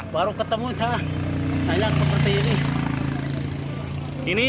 baru ketemu saya saya seperti ini